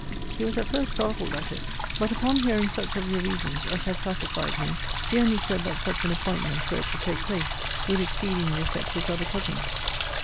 He was at first startled at it: but, upon hearing such of your reasons as had satisfied me, he only said that such an appointment, were it to take place, would exceedingly affect his other cousins.